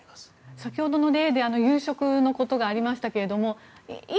先ほどの例で夕食のことがありましたがいい